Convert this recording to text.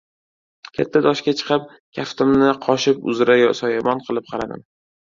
Katta toshga chiqib, kaftimni qoshim uzra soyabon qilib qaradim.